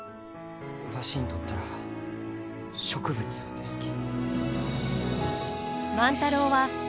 わしにとったら植物ですき。